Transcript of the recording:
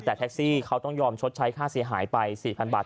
แต่แท็กซี่เขาต้องยอมชดใช้ค่าเสียหายไป๔๐๐๐บาท